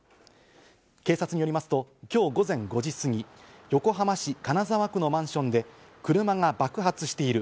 警察によりますと今日午前５時過ぎ、横浜市金沢区のマンションで車が爆発している。